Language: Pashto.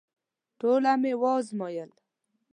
ټوله مي وازمایل …